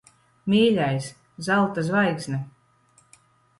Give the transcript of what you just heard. Mīļais! Zelta zvaigzne.